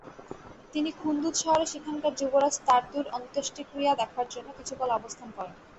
তিনি খুন্দুজ শহরে সেখানকার যুবরাজ তার্দুর অন্তুষ্টিক্রিয়া দেখার জন্য কিছুকাল অবস্থান করেন।